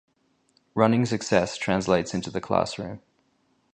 Running success translates into the classroom.